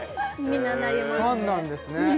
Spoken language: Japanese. みんななりますね